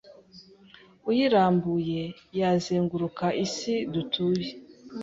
uyirambuye yazenguruka isi dutuye